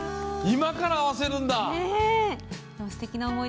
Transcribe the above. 今から合わせるんだ。